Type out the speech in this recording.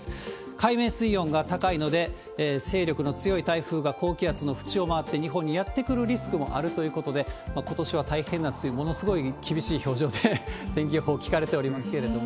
海面水温が高いので、勢力の強い台風が高気圧の縁を回って日本にやって来るリスクもあるということで、ことしは大変な梅雨、ものすごい厳しい表情で、天気予報聞かれておりますけれども。